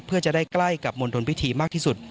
เพื่อจะได้ใกล้กับมณฑลพิธีมากที่สุด